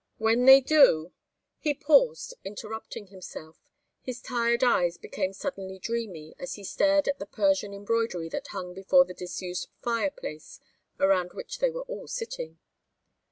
When they do " He paused, interrupting himself. His tired eyes became suddenly dreamy, as he stared at the Persian embroidery that hung before the disused fireplace around which they were all sitting.